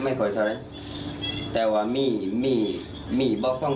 แบบคุมสัตว์เลี้ยง